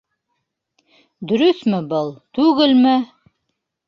Дөрөҫмө был, түгелме?